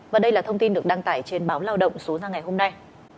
và đây là thông tin được đăng tải trên báo lao động số ra ngày hôm nay